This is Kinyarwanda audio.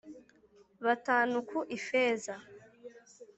batanu ku ifeza,